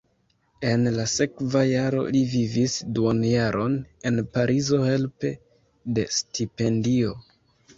En la sekva jaro li vivis duonjaron en Parizo helpe de stipendio.